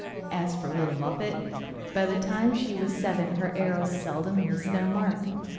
As for little Muffette, by the time she was seven her arrows seldom missed their mark.